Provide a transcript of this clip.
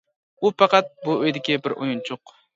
ئۇ پەقەت بۇ ئۆيدىكى بىر ئويۇنچۇق.